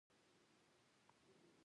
خواب باید د بدن لپاره کافي وي.